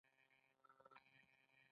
نو پانګوال له ځان سره په دې اړه یو څه وايي